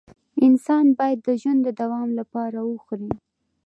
انسان باید د ژوند د دوام لپاره وخوري